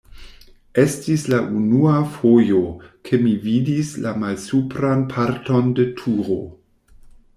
Estis la unua fojo, ke mi vidis la malsupran parton de turo.